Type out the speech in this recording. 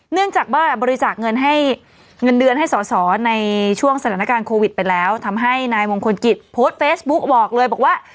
เนื่องจากว่าบริจาคเงินให้เงินเดือนให้สอสอในช่วงสถานการณ์โควิดไปแล้วทำให้นายมงคลกิจโพสต์เฟซบุ๊กบอกเลยบอกว่า